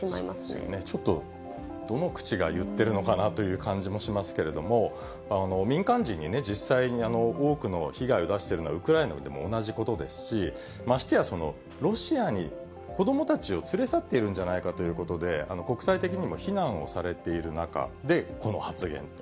そうですよね、ちょっと、どの口が言ってるのかなという感じもしますけれども、民間人にね、実際、多くの被害を出しているのはウクライナでも同じことですし、増してやロシアに、子どもたちを連れ去っているんじゃないかということで、国際的にも非難をされている中での、この発言と。